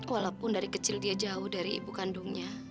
walaupun dari kecil dia jauh dari ibu kandungnya